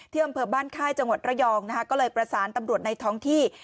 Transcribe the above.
อำเภอบ้านค่ายจังหวัดระยองนะคะก็เลยประสานตำรวจในท้องที่